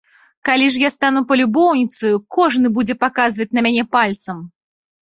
Калі ж я стану палюбоўніцаю, кожны будзе паказваць на мяне пальцам.